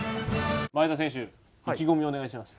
前田選手意気込みをお願いします。